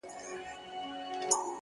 ته ټيک هغه یې خو اروا دي آتشي چیري ده”